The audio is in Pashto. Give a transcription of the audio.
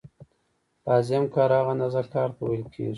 لازم کار هغه اندازه کار ته ویل کېږي